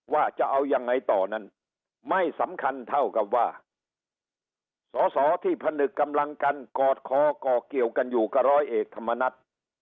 ว่าจะเอายังไงต่อนั้นไม่สำคัญเท่ากับว่าสอสอที่ผนึกกำลังกันกอดคอก่อเกี่ยวกันอยู่กับร้อยเอกธรรมนัฐ